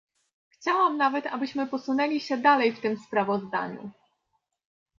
Chciałam nawet, abyśmy posunęli się dalej w tym sprawozdaniu